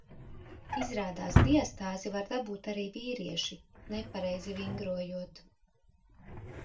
Izrādās diastāzi var dabūt arī vīrieši, nepareizi vingrojot.